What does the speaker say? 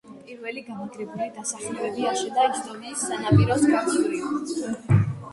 პირველი გამაგრებული დასახლებები აშენდა ისტრიის სანაპიროს გასწვრივ.